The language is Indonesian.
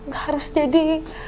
gak harus jadi